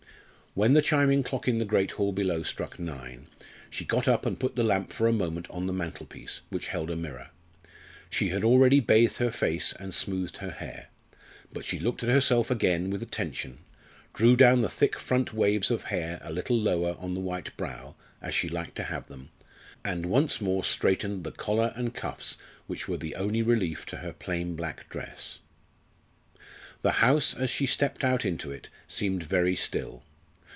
When the chiming clock in the great hall below struck nine, she got up and put the lamp for a moment on the mantelpiece, which held a mirror. She had already bathed her face and smoothed her hair. But she looked at herself again with attention, drew down the thick front waves of hair a little lower on the white brow, as she liked to have them, and once more straightened the collar and cuffs which were the only relief to her plain black dress. The house as she stepped out into it seemed very still.